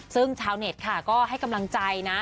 ซึ่งชาวเน็ตค่ะก็ให้กำลังใจนะ